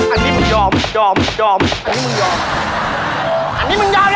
อันนี้มึงยอมอันนี้มึงยอม